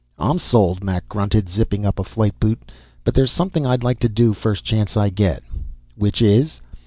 "I'm sold," Mac grunted, zipping up a flight boot. "But there's something I'd like to do, first chance I get." "Which is?"